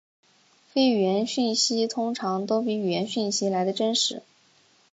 非语言讯息通常都比语言讯息来得真实。